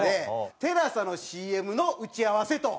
ＴＥＬＡＳＡのＣＭの打ち合わせと。